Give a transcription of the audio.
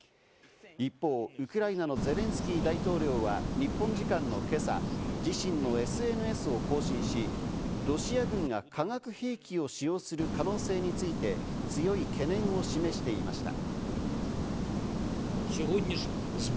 一方、ウクライナのゼレンスキー大統領は日本時間の今朝、自身のＳＮＳを更新し、ロシア軍が化学兵器を使用する可能性について強い懸念を示していました。